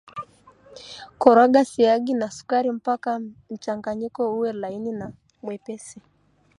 Koroga siagi na sukari mpaka mchanganyiko uwe laini na mwepesi